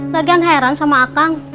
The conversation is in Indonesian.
lagian heran sama akang